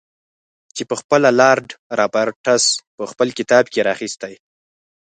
چې پخپله لارډ رابرټس په خپل کتاب کې را اخیستی.